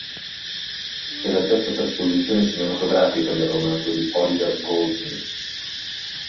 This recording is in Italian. È la terza trasposizione cinematografica del romanzo di Oliver Goldsmith.